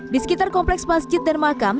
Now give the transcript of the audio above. di sekitar kompleks masjid dan makam